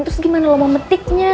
terus gimana lo mau metiknya